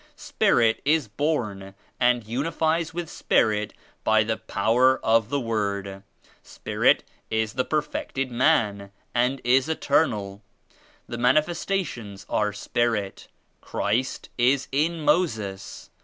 Spirit is born and unifies with Spirit by the power of the Word. Spirit is the perfected man and is eternal. The Manifestations are Spirit. Christ is in Moses.